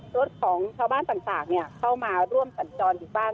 รถของชาวบ้านต่างเข้ามาร่วมสัญจรอยู่บ้าง